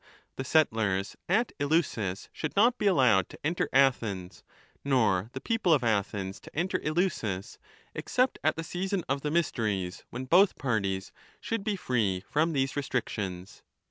The settlers at Eleusis should not be allowed to enter Athens, nor the people of Athens to enter Eleusis, except at the season of the mysteries, when both parties should be free from these restrictions.